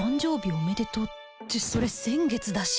おめでとうってそれ先月だし